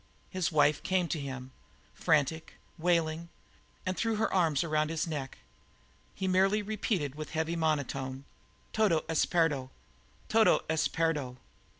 His wife came to him, frantic, wailing, and threw her arms around his neck. He merely repeated with heavy monotony: "Todo es perdo; todo es perdo!"